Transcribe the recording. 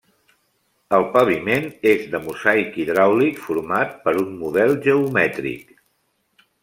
El paviment és de mosaic hidràulic format per un model geomètric.